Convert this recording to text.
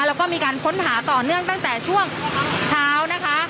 แล้วก็มีการค้นหาต่อเนื่องตั้งแต่ช่วงเช้านะคะ